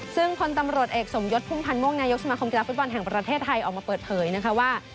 ซึ่งพลตำรวจเอกสมยศพุ่มพันธ์ม่วงนายกสมาคมกีฬาฟุตบอลแห่งประเทศไทยออกมาเปิดเผยนะคะว่า